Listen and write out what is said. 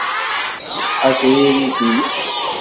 Tṣeḥḥa tririt-nnek.